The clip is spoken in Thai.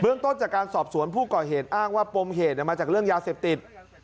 เรื่องต้นจากการสอบสวนผู้ก่อเหตุอ้างว่าปมเหตุมาจากเรื่องยาเสพติด